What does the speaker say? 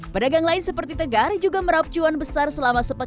pedagang lain seperti tegar juga merap cuan besar selama sepekan